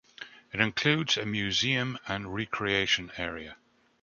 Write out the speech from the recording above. It includes a museum and recreation area.